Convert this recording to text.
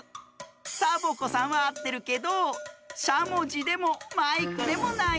サボ子さんはあってるけどしゃもじでもマイクでもないんです。